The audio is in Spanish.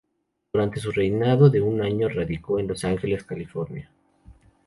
Durante su reinado de un año, se radicó en Los Ángeles, California.